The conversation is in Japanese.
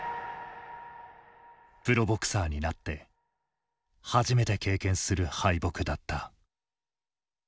プロボクサーになって初めて経験する敗北だった。